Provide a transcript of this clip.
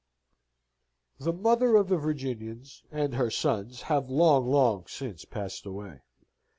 The mother of the Virginians and her sons have long long since passed away.